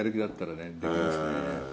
できますね。